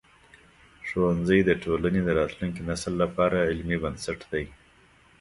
ښوونځی د ټولنې د راتلونکي نسل لپاره علمي بنسټ دی.